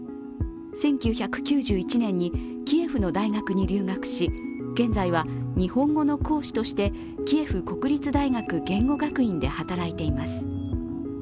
１９９１年にキエフの大学に留学し現在は日本語の講師としてキエフ国立大学言語学院で働いています。